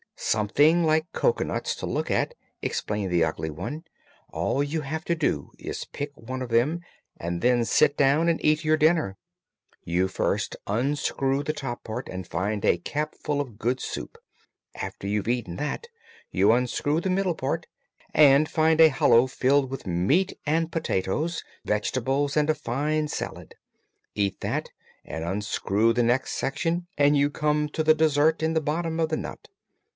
"Something like cocoanuts, to look at," explained the Ugly One. "All you have to do is to pick one of them and then sit down and eat your dinner. You first unscrew the top part and find a cupfull of good soup. After you've eaten that, you unscrew the middle part and find a hollow filled with meat and potatoes, vegetables and a fine salad. Eat that, and unscrew the next section, and you come to the dessert in the bottom of the nut.